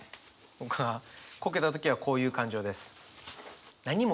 僕はこけた時はこういう感情です。